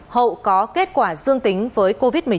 hậu có kết quả dương tính với covid một mươi chín